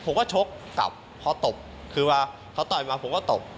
คือผมก็ชกกลับพว่าเค้าต่อยมาผมก็ตบ